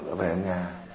đã về nhà